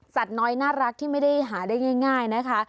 น้อยน่ารักที่ไม่ได้หาได้ง่ายนะคะ